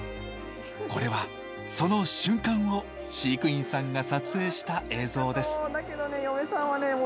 これはその瞬間を飼育員さんが撮影した映像です。